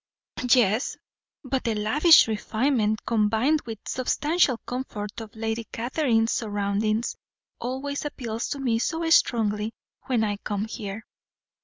"Yes, but the lavish refinement, combined with substantial comfort, of Lady Catherine's surroundings always appeals to me so strongly when I come here.